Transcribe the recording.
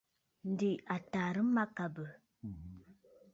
Ǹdè à tàrə mâkàbə̀.